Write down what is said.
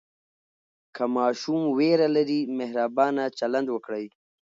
که ماشوم ویره لري، مهربانه چلند وکړئ.